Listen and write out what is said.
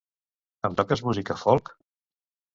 Em toques música folk?